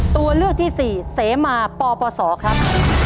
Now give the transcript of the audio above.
ตัวเลือกที่๔เสมาปปศครับ